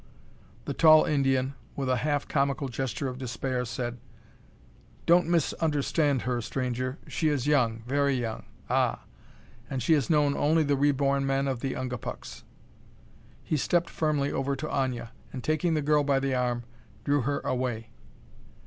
The tall Indian, with a half comical gesture of despair, said: "Don't misunderstand her, stranger. She is young, very young, ah! And she has known only the reborn men of the Ungapuks." He stepped firmly over to Aña, and, taking the girl by the arm, drew her away.